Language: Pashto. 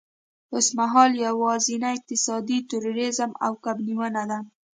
اوسمهال یوازېنی اقتصاد تورېزم او کب نیونه ده.